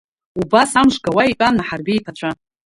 Убас амш гауа итәан Наҳарбеи иԥацәа.